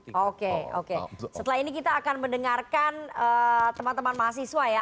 jadi kita akan mendengarkan teman teman mahasiswa ya